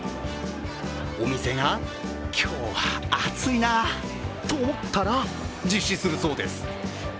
お店が、今日は暑いなと思ったら実施するそうです。